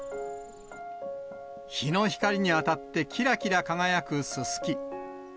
日の光に当たってきらきら輝くススキ。